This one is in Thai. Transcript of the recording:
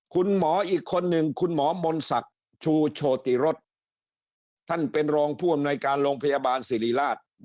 คุณหมออีกคนหนึ่งคุณหมอมนศักดิ์ชูโชติรสท่านเป็นรองผู้อำนวยการโรงพยาบาลศิริราช